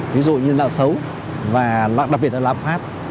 ví dụ như nợ xấu và đặc biệt là lạm phát